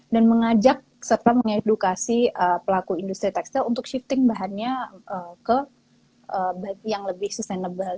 dan mengajak serta mengedukasi pelaku industri textile untuk shifting bahannya ke yang lebih sustainable